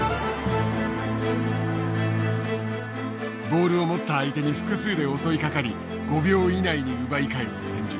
ボールを持った相手に複数で襲いかかり５秒以内に奪い返す戦術。